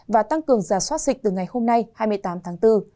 và tăng cường giả soát dịch từ ngày hôm nay hai mươi tám tháng bốn